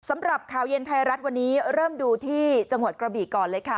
สำหรับข่าวเย็นไทยรัฐวันนี้เริ่มดูที่จังหวัดกระบีก่อนเลยค่ะ